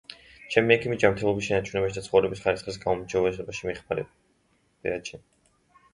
ჩემი ექიმი ჯანმრთელობის შენარჩუნებაში და ცხოვრების ხარისხის გაუმჯობესებაში მეხმარება.